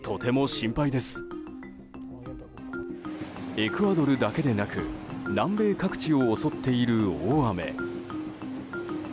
エクアドルだけでなく南米各地を襲っている大雨。